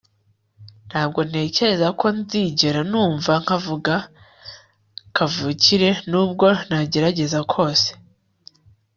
ntabwo ntekereza ko nzigera numva nkavuga kavukire nubwo nagerageza kose